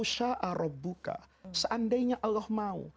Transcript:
seandainya allah mau